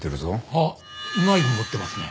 あっナイフ持ってますね。